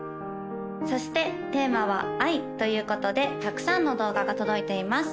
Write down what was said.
そしてテーマは「愛」ということでたくさんの動画が届いています